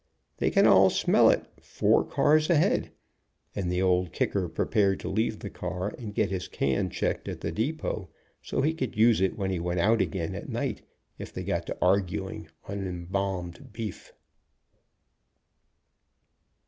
They can all smell it four cars ahead," and the Old Kicker prepared to leave the car and get his can checked at the depot, so he could use it when he went out again at night, if they got to arguing on embalmed beef.